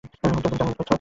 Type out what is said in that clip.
হুম, কেমন বোধ করছো সবাই?